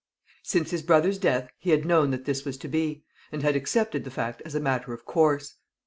Since his brother's death he had known that this was to be, and had accepted the fact as a matter of course.